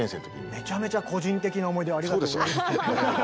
めちゃめちゃ個人的な思い出をありがとうございます。